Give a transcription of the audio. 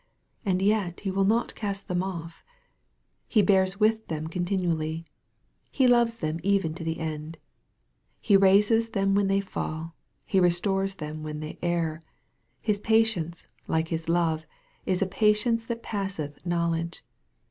And yet He will not cast them off. He bears with them continually. He loves them even to the end. He raises them, when they fall. He restores them when they err. His patience, like His love, is a patience that passeth knowledge.